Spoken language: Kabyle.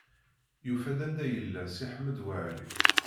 Yufa-d anda yella Si Ḥmed Waɛli.